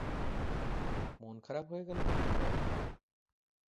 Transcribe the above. মাথা খারাপ হয়ে গেল নাকি জয়ার?